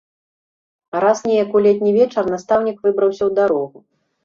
Раз неяк у летні вечар настаўнік выбраўся ў дарогу.